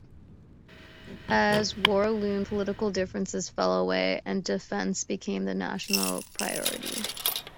As war loomed, political differences fell away and defense became the national priority.